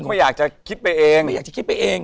เขาไม่อยากจะคิดไปเองไม่อยากจะคิดไปเอง